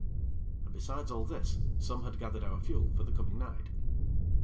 And, besides all this, some had gathered our fuel for the coming night.